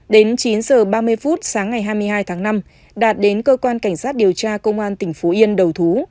đến chín h ba mươi phút sáng ngày hai mươi hai tháng năm đạt đến cơ quan cảnh sát điều tra công an tỉnh phú yên đầu thú